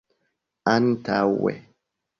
antaŭe